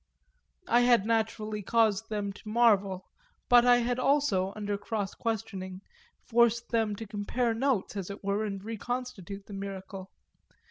I had naturally caused them to marvel, but I had also, under cross questioning, forced them to compare notes, as it were, and reconstitute the miracle.